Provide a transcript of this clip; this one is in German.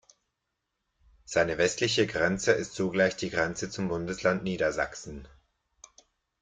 Seine westliche Grenze ist zugleich die Grenze zum Bundesland Niedersachsen.